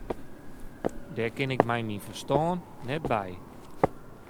Dêr kin ik mei myn ferstân net by.